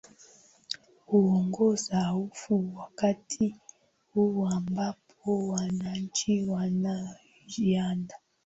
kuongeza hofu wakati huu ambapo wananchi wanajiandaa